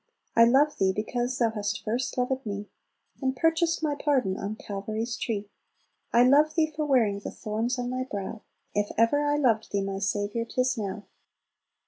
"I love Thee, because Thou hast first loved me, And purchased my pardon on Calvary's tree; I love Thee for wearing the thorns on Thy brow; If ever I loved Thee, my Saviour, 'tis now!